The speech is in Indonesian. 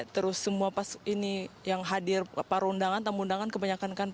terus semua pas ini yang hadir para undangan tamu undangan kebanyakan kan